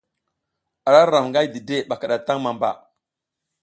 Ara ram nga dide ɓa a kiɗataŋ mamba.